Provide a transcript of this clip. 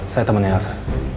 saya temannya elsa